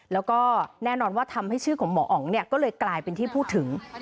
แล้วก็แน่นอนว่าทำให้ชื่อของหมออ๋องก็เลยกลายเป็นที่พูดถึง